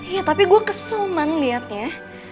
iya tapi gue kesel man liatnya